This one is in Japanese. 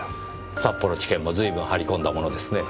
札幌地検も随分張り込んだものですね。